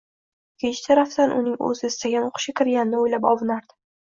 ikkinchi tarafdan uning o'zi istagan o'qishga kirganini o'ylab ovunardi.